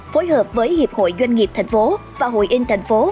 phối hợp với hiệp hội doanh nghiệp tp và hội in tp